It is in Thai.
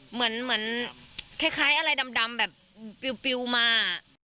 เหมือนคล้ายอะไรดำแบบปิวมา